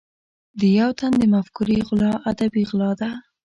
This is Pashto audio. د یو تن د مفکورې غلا ادبي غلا ده.